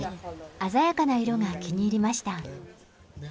鮮やかな色が気に入りました。